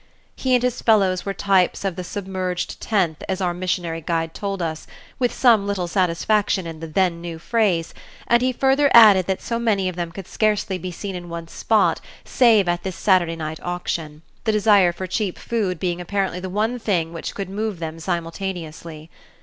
He and his fellows were types of the "submerged tenth," as our missionary guide told us, with some little satisfaction in the then new phrase, and he further added that so many of them could scarcely be seen in one spot save at this Saturday night auction, the desire for cheap food being apparently the one thing which could move them simultaneously.